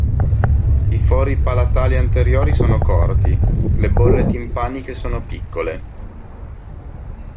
I fori palatali anteriori sono corti, le bolle timpaniche sono piccole.